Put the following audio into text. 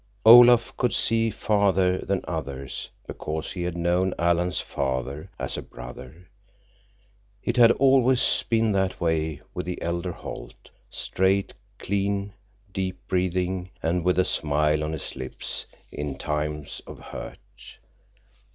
Olaf could see farther than others, because he had known Alan's father as a brother. It had always been that way with the elder Holt—straight, clean, deep breathing, and with a smile on his lips in times of hurt.